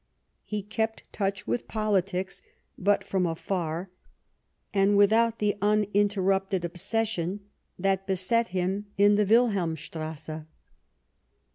He kept touch with politics, but from afar, and without the uninterrupted obsession that beset him in the Wilhelmstrasse.